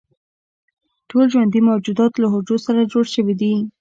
ټول ژوندي موجودات له حجرو څخه جوړ شوي دي